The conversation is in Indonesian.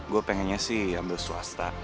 gue pengennya sih ambil swasta